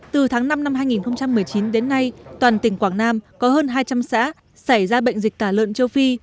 từ tháng năm năm hai nghìn một mươi chín đến nay toàn tỉnh quảng nam có hơn hai trăm linh xã xảy ra bệnh dịch tả lợn châu phi